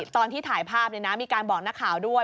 ตอนที่ถ่ายภาพมีการบอกนักข่าวด้วย